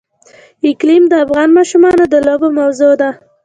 اقلیم د افغان ماشومانو د لوبو موضوع ده.